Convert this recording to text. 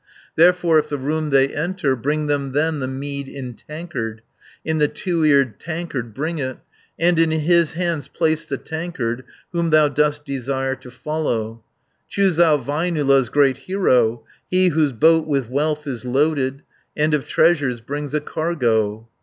"Therefore if the room they enter, Bring them then the mead in tankard, In the two eared tankard bring it, And in his hands place the tankard 630 Whom thou dost desire to follow; Choose thou Väinölä's great hero, He whose boat with wealth is loaded, And of treasures brings a cargo."